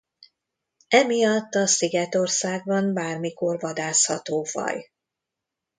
Emiatt a szigetországban bármikor vadászható faj.